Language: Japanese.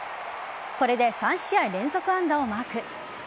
これで３試合連続安打をマーク。